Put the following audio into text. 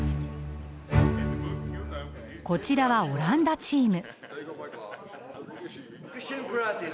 こちらはオランダチーム。